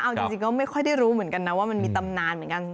เอาเจ้าไม่ก็ได้รู้เหมือนกันนะว่ามันมีตำนาน